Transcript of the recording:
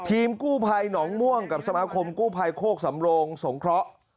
ทีมกู้ภัยหนองม่วงกับสมาคมกู้ภัยโคกสำโรงสงเคราะห์